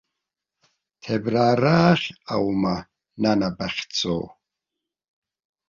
Ҭебрараахь аума, нана, бахьцо?